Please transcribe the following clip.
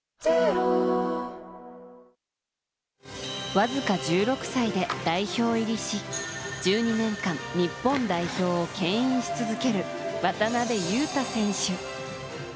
わずか１６歳で代表入りし１２年間日本代表を牽引し続ける渡邊雄太選手。